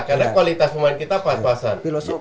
karena kualitas pemain kita pas pasan